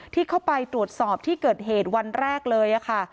ที่เข้าไปตรวจสอบที่เกิดเหตุวันแรกเลยค่ะ